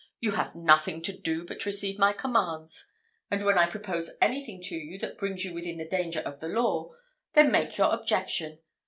You have nothing to do but receive my commands; and when I propose anything to you that brings you within the danger of the law, then make your objection.